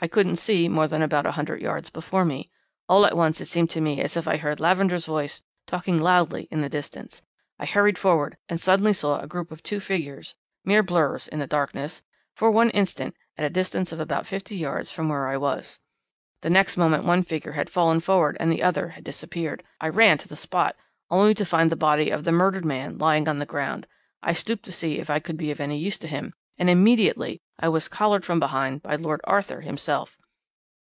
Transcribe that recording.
I couldn't see more than about a hundred yards before me. All at once it seemed to me as if I heard Lavender's voice talking loudly in the distance. I hurried forward, and suddenly saw a group of two figures mere blurs in the darkness for one instant, at a distance of about fifty yards from where I was. "'The next moment one figure had fallen forward and the other had disappeared. I ran to the spot, only to find the body of the murdered man lying on the ground. I stooped to see if I could be of any use to him, and immediately I was collared from behind by Lord Arthur himself.'